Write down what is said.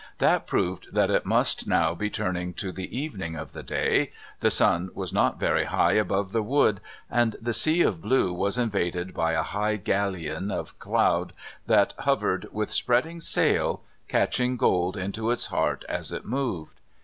That proved that it must now be turning to the evening of the day; the sun was not very high above the wood, and the sea of blue was invaded by a high galleon of cloud that hovered with spreading sail, catching gold into its heart as it moved.